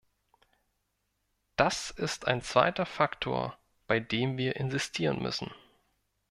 Dass ist ein zweiter Faktor, bei dem wir insistieren müssen.